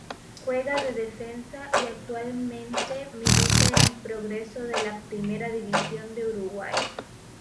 Juega de defensa y actualmente milita en Progreso de la Primera División de Uruguay.